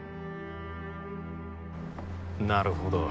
なるほど。